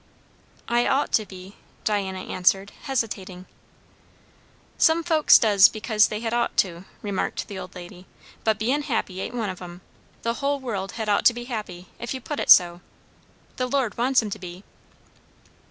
"I ought to be" Diana answered, hesitating. "Some things folks does because they had ought to," remarked the old lady, "but bein' happy ain't one of 'em. The whole world had ought to be happy, if you put it so. The Lord wants 'em to be."